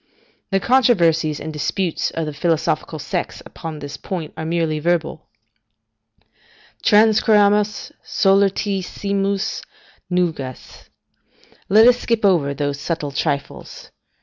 The controversies and disputes of the philosophical sects upon this point are merely verbal: "Transcurramus solertissimas nugas" ["Let us skip over those subtle trifles."